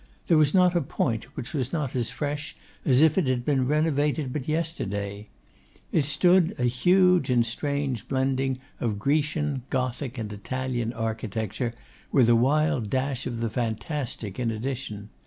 There was not a point which was not as fresh as if it had been renovated but yesterday. It stood a huge and strange blending of Grecian, Gothic, and Italian architecture, with a wild dash of the fantastic in addition.